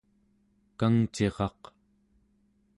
kangciraq